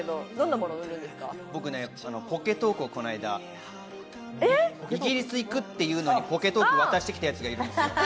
この間、ポケトークをイギリス行くっていうのに、ポケトークを渡してきたやつがいるんです。